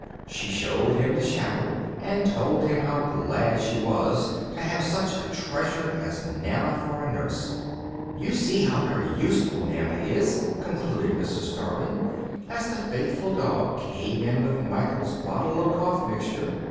She showed him the shadow, and told him how glad she was to have such a treasure as Nana for a nurse. "You see how very useful Nana is," concluded Mrs. Darling, as the faithful dog came in with Michael's bottle of cough mixture.